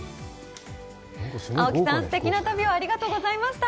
青木さん、すてきな旅をありがとうございました。